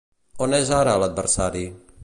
On és ara l'adversari?